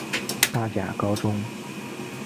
大甲高中